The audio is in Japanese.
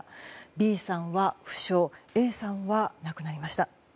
Ｂさんは負傷Ａさんは亡くなりました。